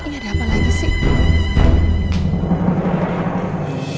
ini ada apa lagi sih